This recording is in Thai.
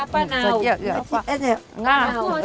ป้าเนา